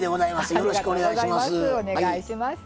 よろしくお願いします。